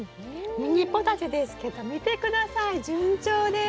ミニポタジェですけど見て下さい順調です。